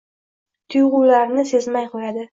Tuyg`ularini sezmay qo`yadi